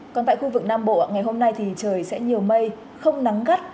còn tại khu vực nam bộ ngày hôm nay thì trời sẽ nhiều mây không nắng gắt